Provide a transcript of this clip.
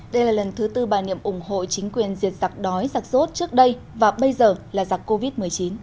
đây là lần thứ tư bà niệm ủng hộ chính quyền diệt giặc đói giặc rốt trước đây và bây giờ là giặc covid một mươi chín